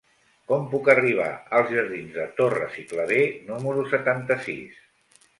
Com puc arribar als jardins de Torres i Clavé número setanta-sis?